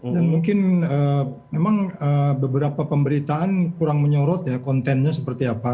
dan mungkin memang beberapa pemberitaan kurang menyorot kontennya seperti apa